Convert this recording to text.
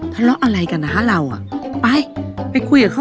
ทะเลาะอะไรกันนะเราไปไปคุยกับเขานะ